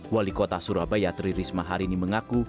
wali kota surabaya tri risma harini mengaku